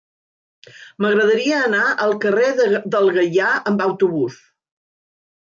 M'agradaria anar al carrer del Gaià amb autobús.